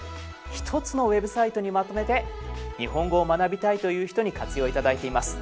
一つのウェブサイトにまとめて「日本語を学びたい」という人に活用いただいています。